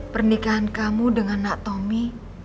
pernikahan kamu dengan nak tommy